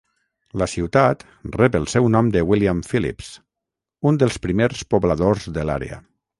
La ciutat rep el seu nom de William Phillips, un dels primers pobladors de l'àrea.